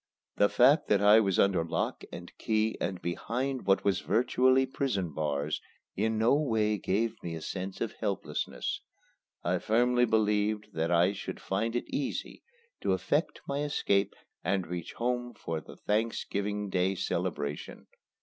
The fact that I was under lock and key and behind what were virtually prison bars in no way gave me a sense of helplessness. I firmly believed that I should find it easy to effect my escape and reach home for the Thanksgiving Day celebration.